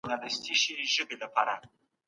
دا کار د کډوالو مرسته ده.